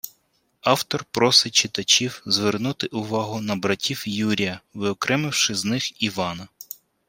Автор просить читачів звернути увагу на братів Юрія, виокремивши з них Івана